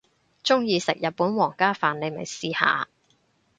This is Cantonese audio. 鍾意食日本皇家飯你咪試下